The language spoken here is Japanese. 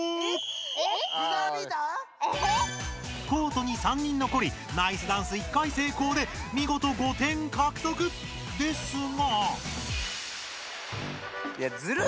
コートに３人残りナイスダンス１回成功でみごと５点獲得！ですが。